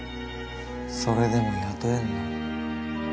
それでも雇えんの？